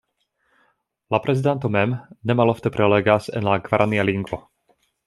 La prezidanto mem ne malofte prelegas en la gvarania lingvo.